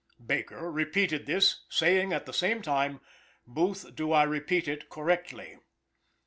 Baker repeated this, saying at the same time "Booth, do I repeat it correctly."